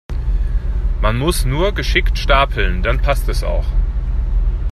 Man muss nur geschickt Stapeln, dann passt es auch.